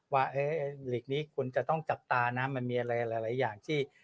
ว่าเอ๊ะฟีบ้าคุณจะต้องจัดตานะมันมีอะไรหลายหลายอย่างที่